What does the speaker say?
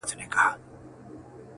ستا له غمه مي بدن ټوله کړېږي,